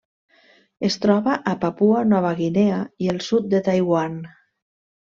Es troba a Papua Nova Guinea i el sud de Taiwan.